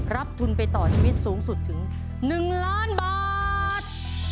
รับทุนไปต่อชีวิตสูงสุดถึง๑ล้านบาท